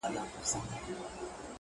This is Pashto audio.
نو زه له تاسره”